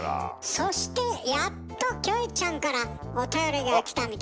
そしてやっとキョエちゃんからおたよりが来たみたいですよ。